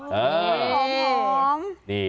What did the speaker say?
หอม